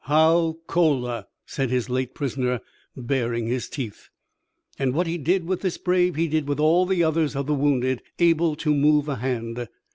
"How, cola!" said his late prisoner, baring his teeth. And what he did with this brave he did with all the others of the wounded able to move a hand.